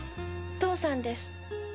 父さんです。